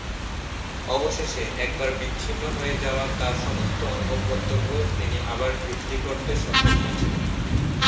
অবশেষে, একবার বিচ্ছিন্ন হয়ে যাওয়া তার সমস্ত অঙ্গপ্রত্যঙ্গ তিনি আবার বৃদ্ধি করতে সক্ষম হয়েছিলেন।